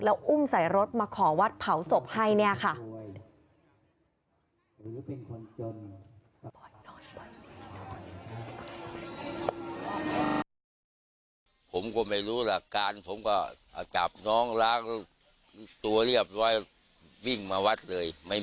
อุ้มใส่รถมาขอวัดเผาศพให้เนี่ยค่ะ